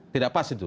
tidak pas itu